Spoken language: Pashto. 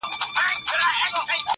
زما په یاد دي پاچا خره ته وه ویلي.!